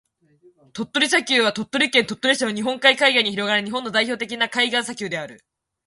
鳥取砂丘は、鳥取県鳥取市の日本海海岸に広がる日本の代表的な海岸砂丘である。